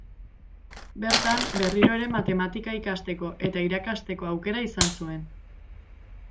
Bertan berriro ere matematika ikasteko eta irakasteko aukera izan zuen.